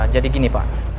jadi gini pak